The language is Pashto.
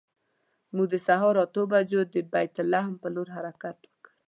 موږ د سهار اتو بجو د بیت لحم پر لور حرکت وکړ.